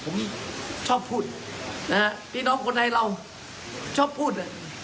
ผมชอบพูดนะฮะพี่น้องคนไทยเราชอบพูด